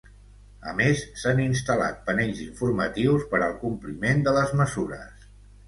A més, s’han instal·lat panells informatius per al compliment de les mesures.